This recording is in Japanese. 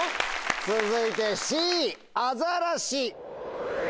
続いてＣ「アザラシ」。